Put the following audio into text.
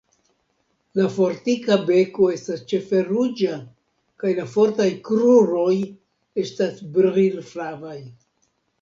La fortika beko estas ĉefe ruĝa, kaj la fortaj kruroj estas brilflavaj.